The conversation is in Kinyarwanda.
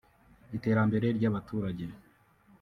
iterambere ry’abaturage